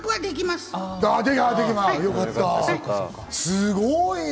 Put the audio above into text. すごいね。